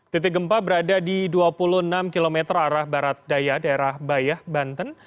titik gempa berada di dua puluh enam km arah barat daya daerah bayah banten